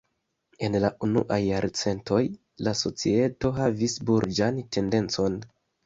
En la unuaj jarcentoj la societo havis burĝan tendencon.